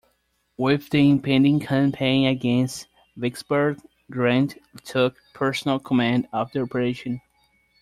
With the impending campaign against Vicksburg, Grant took personal command of the operation.